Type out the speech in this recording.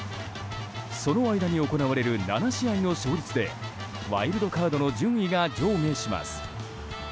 その間に行われる７試合の勝率でワイルドカードの順位が上下します。